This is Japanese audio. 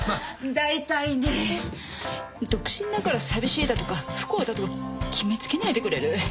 だいたいね独身だから寂しいだとか不幸だとか決め付けないでくれる？